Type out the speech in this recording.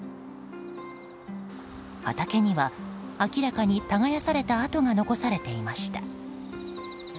畑には明らかに耕された跡が残されていました。